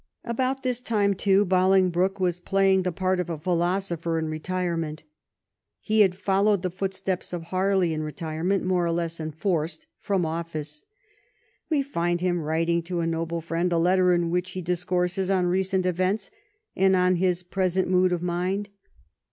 About this time, too, Bolingbroke was playing the part of a philosopher in retirement He had followed the footsteps of Harley in retirement more or less en forced from office. We find him writing to a noble friend a letter in which he discourses on recent events and on his present mood of mind.